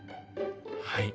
はい。